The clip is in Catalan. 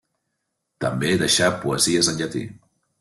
També deixà poesies en llatí.